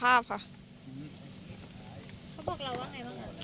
เขาบอกเราว่าไงบ้าง